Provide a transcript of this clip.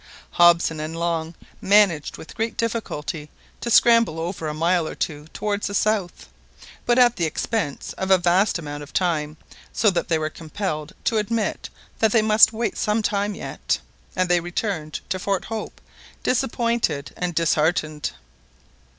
Hobson and Long managed with great difficulty to scramble over a mile or two towards the south, but at the expense of a vast amount of time, so that they were compelled to admit that they must wait some time yet, and they returned to Fort Hope disappointed and disheartened.